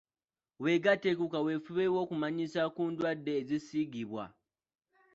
Weegatte ku kaweefube w'okumanyisa ku ndwadde ezisiigibwa.